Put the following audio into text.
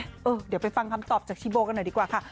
เดี๋ยวไปฟังคำตอบจากชีโบกันหน่อยดีกว่าค่ะ